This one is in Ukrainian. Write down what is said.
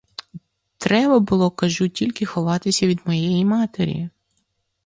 Треба було, кажу, тільки ховатися від моєї матері.